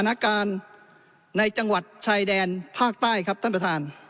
สถานการณ์ในจังหวัดชายแดนภาคใต้ครับท่านประธาน